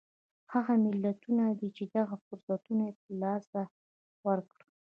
هغه ملتونه دي چې دغه فرصتونه یې له لاسه ورکړل.